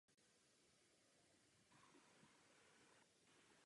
Patří mezi tři zpravodajské služby Spolkové republiky.